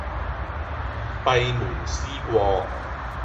閉門思過